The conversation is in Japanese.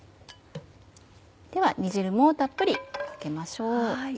では煮汁もたっぷりかけましょう。